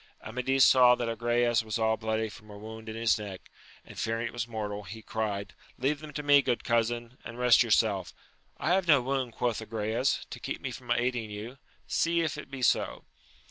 Amadis saw that Agrayes was all bloody from a wound in his neck, and fearing it was mortal, he cried. Leave them to me, good cousin, and rest yourself! I have no wound, quoth Agrayes, to keep me from aiding you : see if it be so